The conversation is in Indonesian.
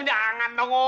jangan dong om